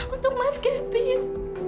untuk mas kevin